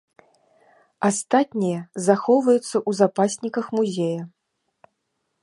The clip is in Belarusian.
Астатнія захоўваюцца ў запасніках музея.